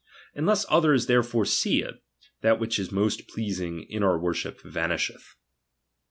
Unless others therefore see it, that which is most pleasing in our worship vanisheth.